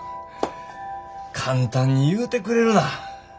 簡単に言うてくれるな。